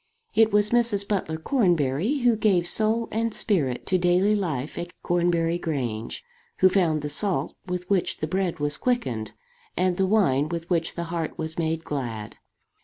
It was Mrs. Butler Cornbury who gave soul and spirit to daily life at Cornbury Grange, who found the salt with which the bread was quickened, and the wine with which the heart was made glad.